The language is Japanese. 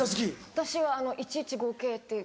私は１１５系っていう。